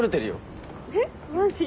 えっマジ？